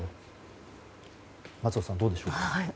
松尾さん、どうでしょう。